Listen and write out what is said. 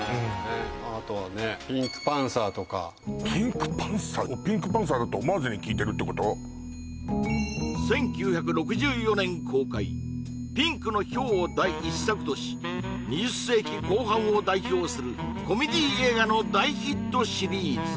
あとはね「ピンクパンサー」とか「ピンクパンサー」１９６４年公開「ピンクの豹」を第１作とし２０世紀後半を代表するコメディ映画の大ヒットシリーズ